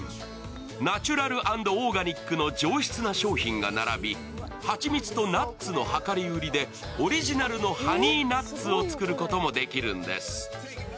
ナチュラル＆オーガニックの上質な商品が並び、蜂蜜とナッツの量り売りでオリジナルのハニーナッツを作ることもできるんです。